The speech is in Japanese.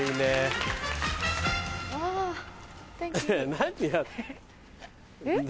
何やって。